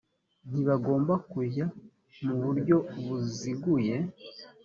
ntibagomba kujya mu buryo buziguye